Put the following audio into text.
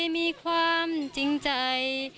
มีความจริงใจ